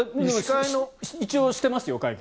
一応してますよ、会見。